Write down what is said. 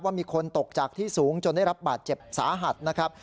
มีคนตกจากที่สูงจนได้รับบาดเจ็บสาหัสนะครับ